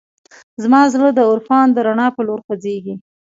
زما زړه د عرفان د رڼا په لور خوځېږي.